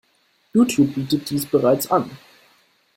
YouTube bietet dies bereits an.